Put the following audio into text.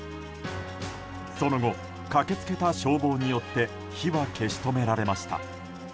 その後、駆け付けた消防によって火は消し止められました。